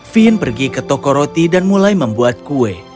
fin pergi ke toko roti dan mulai membuat kue